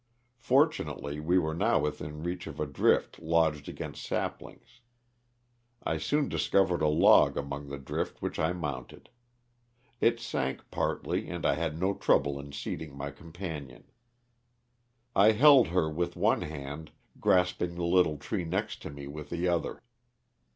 Fortunately we were now within reach of a drift lodged against saplings. I soon discovered a log among the drift which I mounted. It sank partly, and I had no trouble in seat ing my companion. I held her with one hand grasping the little tree next to me with the other.